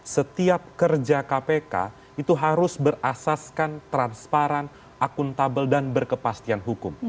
setiap kerja kpk itu harus berasaskan transparan akuntabel dan berkepastian hukum